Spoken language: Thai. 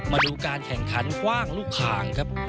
มาดูการแข่งขันกว้างลูกคางครับ